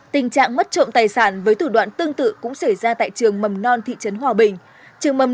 tình trạng mất trộm tài sản với thủ đoạn tương tự cũng xảy ra tại trường mầm non thị trấn hòa bình trường mầm